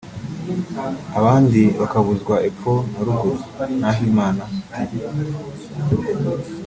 abandi bakabuzwa epfo na ruguru (Nahimana T